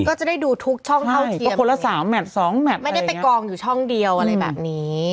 ก็จะได้ดูทุกช่องเท่าเทียมคนละสามแมทสองแมทไม่ได้ไปกองอยู่ช่องเดียวอะไรแบบนี้